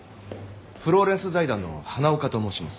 フローレンス財団の花岡と申します。